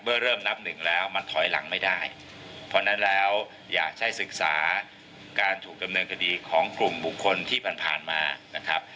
เริ่มนับหนึ่งแล้วมันถอยหลังไม่ได้เพราะฉะนั้นแล้วอยากให้ศึกษาการถูกดำเนินคดีของกลุ่มบุคคลที่ผ่านมานะครับ